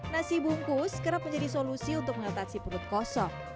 nasi bungkus kerap menjadi solusi untuk mengatasi perut kosong